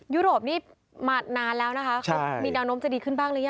ยุโรปนี่มานานแล้วนะคะเขามีแนวโน้มจะดีขึ้นบ้างหรือยัง